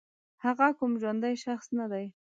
هغه کوم ژوندی شخص نه دی